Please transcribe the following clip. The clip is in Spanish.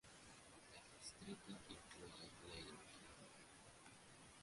El distrito incluye Ladder Hill.